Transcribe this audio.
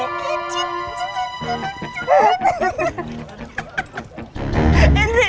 enri tunggu enri